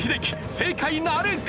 正解なるか？